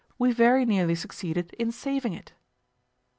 we very nearly succeeded in saving it."